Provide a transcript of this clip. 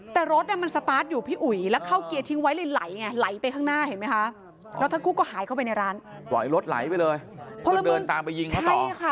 แต่รถเนี่ยมันสตาร์ทอยู่พี่อุ๋ยแล้วเขาเกียร์ทิ้งไว้เลยไหลแงไหลไปข้างหน้าเห็นไหมคะ